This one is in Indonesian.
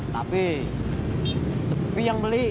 tapi sepi yang beli